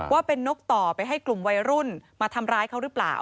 ว่าเป็นนกต่อไปให้กลุ่มวัยรุ่นมาทำร้ายเขาหรือเปล่า